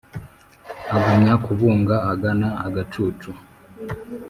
Agumya kubunga agana agacucu